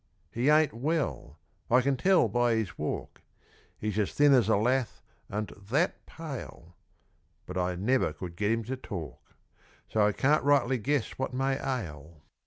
He ain't well. I can tell by his walk; He's as thin as a lath, and that pale; But I never could get him to talk, So I can't rightly guess what may ail.